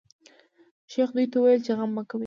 شیخ دوی ته وویل چې غم مه کوی.